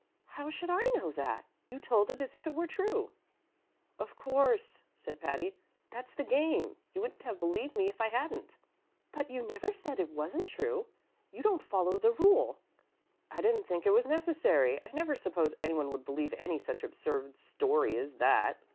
"How should I know that? You told it as if it were true." "Of course," said Patty; "that's the game. You wouldn't have believed me if I hadn't." "But you never said it wasn't true. You don't follow the rule." "I didn't think it was necessary. I never supposed any one would believe any such absurd story as that."